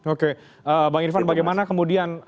oke bang irvan bagaimana kemudian